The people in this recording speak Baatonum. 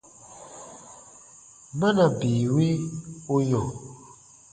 Mana bii wi u yɔ̃ ?